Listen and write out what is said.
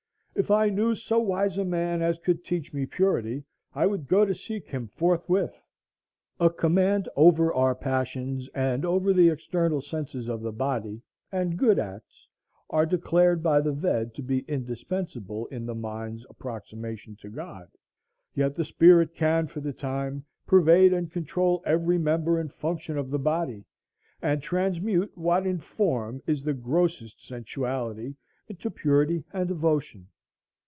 If I knew so wise a man as could teach me purity I would go to seek him forthwith. "A command over our passions, and over the external senses of the body, and good acts, are declared by the Ved to be indispensable in the mind's approximation to God." Yet the spirit can for the time pervade and control every member and function of the body, and transmute what in form is the grossest sensuality into purity and devotion.